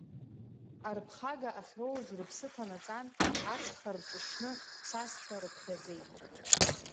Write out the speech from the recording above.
Арԥхага ахьроуз рыԥсы ҭанаҵан, ацха рҿышьны дцазшәа рыԥхьаӡеит.